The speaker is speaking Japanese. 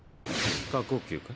過呼吸か？